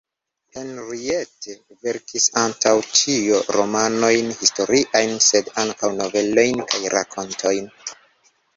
Henriette verkis antaŭ ĉio romanojn historiajn sed ankaŭ novelojn kaj rakontojn.